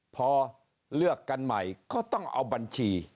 พอเลือกกันใหม่ก็ต้องเอาบัญชี